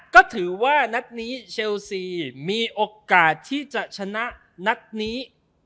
ก็ถือว่านัดนี้เชลซีมีโอกาสที่จะชนะนัดนี้